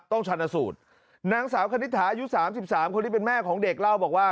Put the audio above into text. ชันสูตรนางสาวคณิตหาอายุ๓๓คนที่เป็นแม่ของเด็กเล่าบอกว่า